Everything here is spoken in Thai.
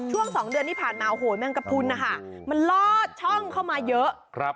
ช่วง๒เดือนที่ผ่านมาโอ้โหแมงกระพุนนะคะมันลอดช่องเข้ามาเยอะ